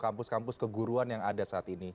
kampus kampus keguruan yang ada saat ini